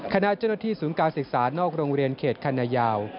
คณะเจ้าหน้าที่ศูนย์การศึกษานอกโรงเรียนเขตคณะยาว